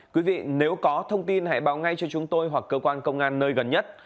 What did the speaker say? quý vị nếu có thông tin hãy báo ngay cho chúng tôi hoặc cơ quan công an nơi gần nhất